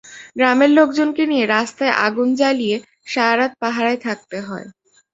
গ্রামের লোকজনকে নিয়ে রাস্তায় আগুন জ্বালিয়ে সারা রাত পাহারায় থাকতে হয়।